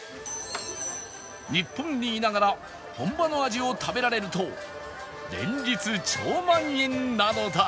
日本にいながら本場の味を食べられると連日超満員なのだ